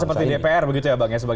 bukan seperti di dpr begitu ya bang ya